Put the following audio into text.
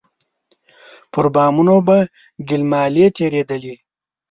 پر بامونو به ګيل مالې تېرېدلې.